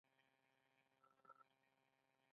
کمپیوټر یې را واخیست.